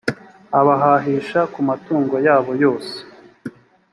abahahisha ku matungo yabo yose